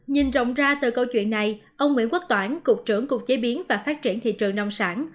nhìn rộng ra từ câu chuyện này ông nguyễn quốc toản cục trưởng cục chế biến và phát triển thị trường nông sản